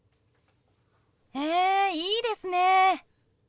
へえいいですね。